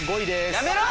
やめろ！